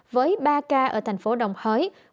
với ba ca ở thành phố đồng hới